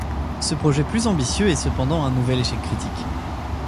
Ce projet plus ambitieux est cependant un nouvel échec critique.